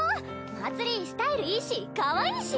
まつりスタイルいいしかわいいし！